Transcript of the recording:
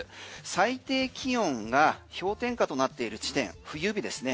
最低気温が氷点下となっている地点冬日ですね。